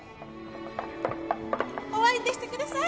お相手してください！